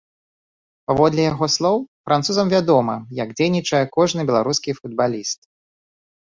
Паводле яго слоў, французам вядома, як дзейнічае кожны беларускі футбаліст.